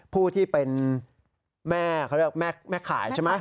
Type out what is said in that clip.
ผู้ที่เป็นแม่คือแม่ขายใช่ไหม